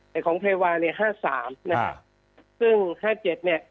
แต่ของเพวาเนี่ย๕๓นะฮะซึ่ง๕๗เนี่ย